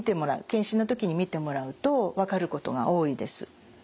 健診の時に見てもらうと分かることが多いです。